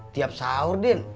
tiap sahur din